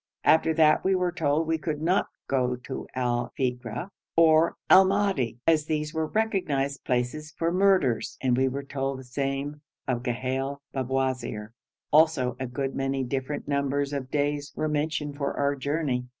After that we were told we could not go to Al Figra or Al Madi, as these were recognised places for murders, and we were told the same of Ghail Babwazir; also a good many different numbers of days were mentioned for our journey.